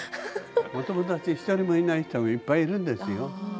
お友達が１人もいない人もいっぱいいるんですよ。